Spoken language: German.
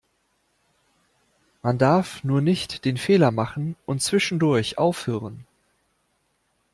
Man darf nur nicht den Fehler machen und zwischendurch aufhören.